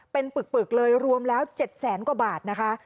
เป็นปึกเลยรวมแล้ว๗แสนกว่าบาทนะคะ